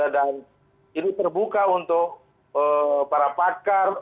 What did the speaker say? dan ini terbuka untuk para pakar